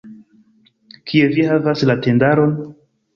Kie vi havas la tendaron?